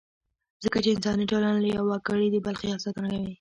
ځکه چې انساني ټولنه کې يو وګړی د بل خیال ساتنه کوي.